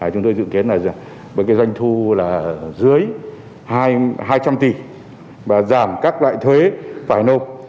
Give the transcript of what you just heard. chúng tôi dự kiến là với doanh thu là dưới hai trăm linh tỷ và giảm các loại thuế phải nộp